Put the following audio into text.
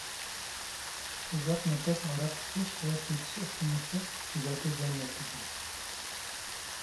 ئۇزاق مۇددەت ھاراق ئىچىش ۋە كېچىسى ئۇخلىماسلىق جىگەرگە زىيان يەتكۈزىدۇ.